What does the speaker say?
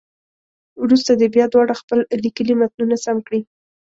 وروسته دې بیا دواړه خپل لیکلي متنونه سم کړي.